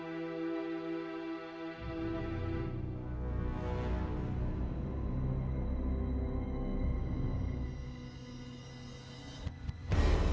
kalaulah pak keu hij evans itu lanjut ke landasan untuk mengad results tentang bahwa luar tempat